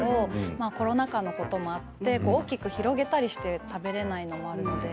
コロナ禍のこともあって大きく広げたりして食べられないのもあります。